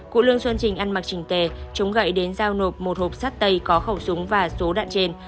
cụ lương xuân trình ăn mặc trình tề chúng gậy đến giao nộp một hộp sắt tay có khẩu súng và số đạn trên